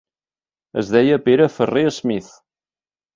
Es deia Pere Ferrer Smith.